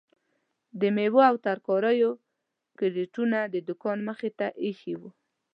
د میوو او ترکاریو کریټونه د دوکانو مخې ته ایښي وو.